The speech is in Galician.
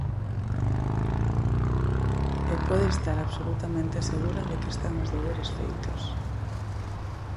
E pode estar absolutamente segura de que están os deberes feitos.